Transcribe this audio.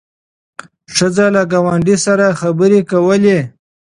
ښځه له ګاونډۍ سره خبرې کولې.